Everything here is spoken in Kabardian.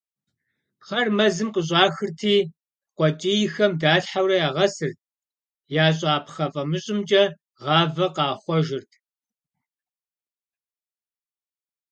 Пхъэр мэзым къыщӏахырти, къуэкӏийхэм далъхьэурэ ягъэсырт, ящӏа пхъэ фӏамыщӏымкӏэ гъавэ къахъуэжырт.